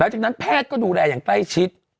แล้วจากนั้นแพทย์ก็ดูแลอย่างใกล้ชิด